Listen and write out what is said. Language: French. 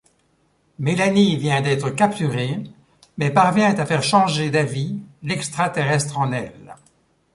Mélanie vient d'être capturée mais parvient à faire changer d'avis l'extraterrestre en elle.